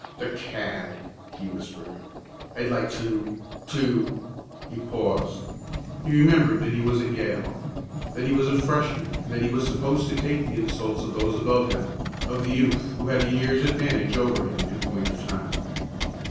"The cad!" he whispered. "I'd like to to " He paused. He remembered that he was at Yale that he was a Freshman and that he was supposed to take the insults of those above him of the youth who had a year's advantage over him in point of time.